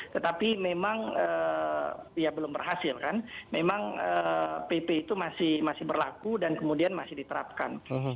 tetapi memang ya belum berhasil kan memang pp itu masih berlaku dan kemudian masih diterapkan